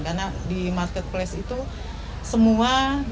karena di marketplace itu semua bisa